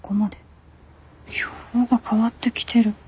予報が変わってきてる？